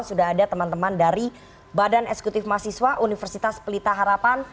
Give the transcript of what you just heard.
sudah ada teman teman dari badan eksekutif mahasiswa universitas pelita harapan